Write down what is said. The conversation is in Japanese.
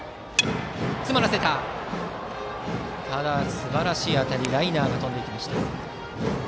すばらしい当たりライナーが飛んでいきました。